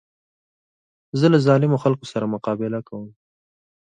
زه له ظالمو خلکو سره مقابله کوم.